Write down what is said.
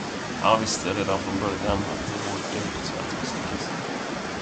Han visste redan från början att det var dömt att misslyckas.